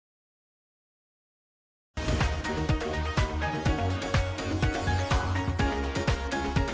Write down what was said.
bayi shower di rumah tangga